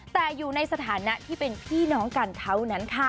แต่อยู่ในสถานะที่เป็นพี่น้องกันเท่านั้นค่ะ